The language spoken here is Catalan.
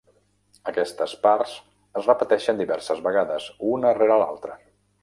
Aquestes parts es repeteixen diverses vegades, una rere l'altra.